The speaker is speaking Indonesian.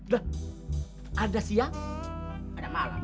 dah ada siang ada malam